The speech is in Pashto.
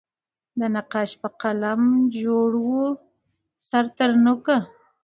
د نقاش په قلم جوړ وو سر ترنوکه